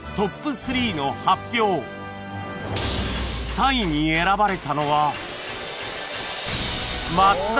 ３位に選ばれたのは